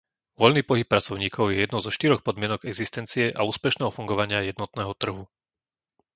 Voľný pohyb pracovníkov je jednou zo štyroch podmienok existencie a úspešného fungovania jednotného trhu.